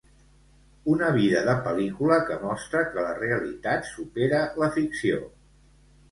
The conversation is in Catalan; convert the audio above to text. Una vida de pel·lícula que mostra que la realitat supera la ficció.